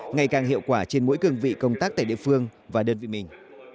ngày càng hiệu quả trên mỗi cương vị công tác tại địa phương và đơn vị mình